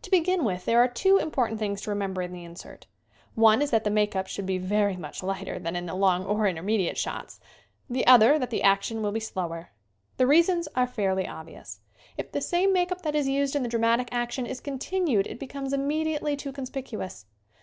To begin with there are two important things to remember in the insert. One is that the make up should be very much lighter than SCREEN ACTING 99 in the long or intermediate shots; the other, that the action will be slower. The reasons are fairly obvious. If the same make up that is used in the dramatic action is continued it becomes immediately too con spicuous.